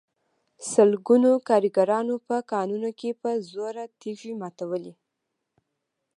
سلګونو کارګرانو په کانونو کې په زور تېږې ماتولې